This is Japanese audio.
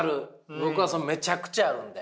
僕はめちゃくちゃあるんで。